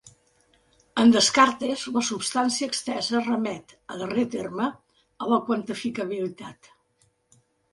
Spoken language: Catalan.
En Descartes, la substància extensa remet, a darrer terme, a la quantificabilitat.